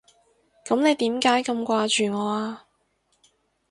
噉你點解咁掛住我啊？